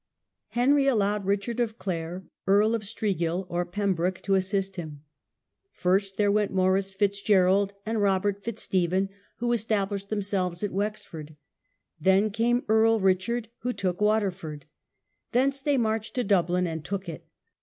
Henry allowed Richard of Clare, Earl of Striguil (or Pembroke), to assist him. First there went Maurice Fitz Gerald and Robert Fitz Stephen, who estab lished themselves at Wexford. Then came Earl Richard, who took Waterford. Thence they marched to Dublin and took it.